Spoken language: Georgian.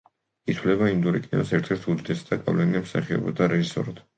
ითვლება ინდური კინოს ერთ-ერთ უდიდეს და გავლენიან მსახიობად და რეჟისორად.